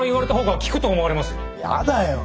やだよ。